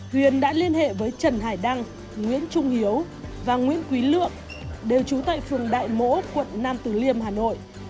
huyền đã liên hệ với trần hải đăng nguyễn trung hiếu và nguyễn quý lượng đều trú tại phường đại mỗ quận nam từ liêm hà nội